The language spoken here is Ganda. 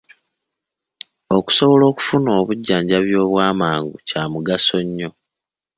Okusobola okufuna obujjanjabi obw’amangu kya mugaso nnyo.